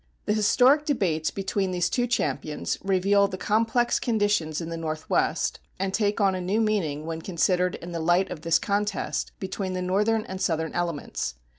The historic debates between these two champions reveal the complex conditions in the Northwest, and take on a new meaning when considered in the light of this contest between the Northern and the Southern elements.